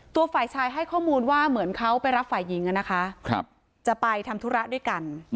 ฝ่ายชายให้ข้อมูลว่าเหมือนเขาไปรับฝ่ายหญิงจะไปทำธุระด้วยกัน